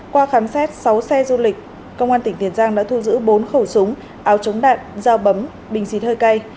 qua khám xét sáu xe du lịch công an tỉnh tiền giang đã thu giữ bốn khẩu súng áo chống đạn dao bấm bình xịt hơi cay